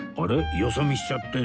よそ見しちゃって！